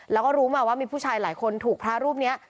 แล้วก็รู้มาว่ามีผู้ชายหลายคนถูกพระรูปนี้